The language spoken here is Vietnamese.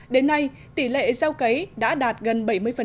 đến nay tỷ lệ gieo cấy đã đạt gần bảy mươi